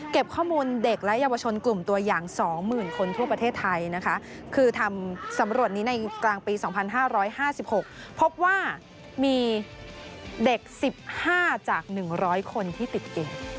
ข้อมูลเด็กและเยาวชนกลุ่มตัวอย่าง๒๐๐๐คนทั่วประเทศไทยนะคะคือทำสำรวจนี้ในกลางปี๒๕๕๖พบว่ามีเด็ก๑๕จาก๑๐๐คนที่ติดเกม